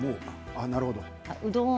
なるほど。